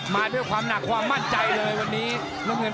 มาด้วยความหนักความมั่นใจเลยวันนี้น้ำเงิน